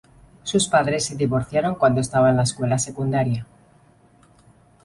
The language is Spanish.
Sus padres se divorciaron cuando estaba en la escuela secundaria.